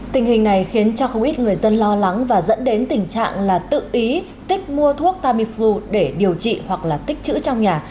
tình hình này khiến cho không ít người dân lo lắng và dẫn đến tình trạng là tự ý tích mua thuốc tamifu để điều trị hoặc là tích chữ trong nhà